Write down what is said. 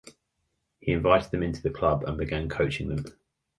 He invited them into the club and began coaching them.